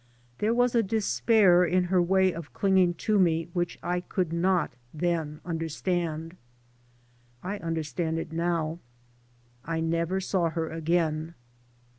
There was a despair in her way of clinging to me which I could not then understand. I understand it now. I never saw her again.